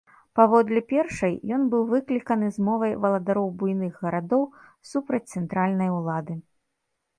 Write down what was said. Паводле першай, ён быў выкліканы змовай валадароў буйных гарадоў супраць цэнтральнай улады.